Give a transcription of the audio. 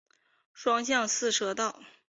双向四车道。